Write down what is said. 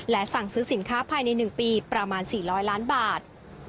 สั่งซื้อสินค้าภายใน๑ปีประมาณ๔๐๐ล้านบาท